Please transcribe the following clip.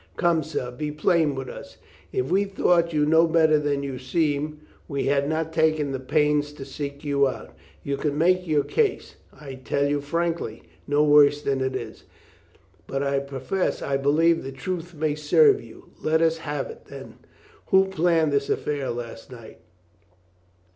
"Come, sir, be plain with us. If we thought you no better than you seem, we had not taken the pains to seek you out. You can make your case (I tell you frankly) no worse than it is. But I profess I believe the truth may serve you. Let us have it, then. Who planned this affair of last night?"